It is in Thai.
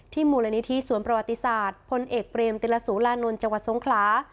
มูลนิธิสวนประวัติศาสตร์พลเอกเบรมติลสุรานนท์จังหวัดทรงคลา